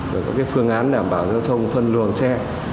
về các phương án đảm bảo giao thông phân luồng xe